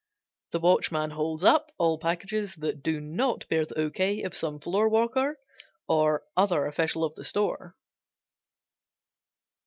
The watchman holds up all packages that do not bear the O. K. of some floorwalker or other official of the store.